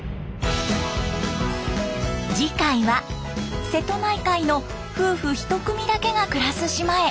次回は瀬戸内海の夫婦１組だけが暮らす島へ。